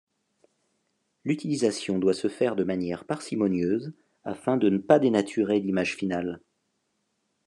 L’utilisation doit se faire de manière parcimonieuse afin de ne pas dénaturer l’image finale.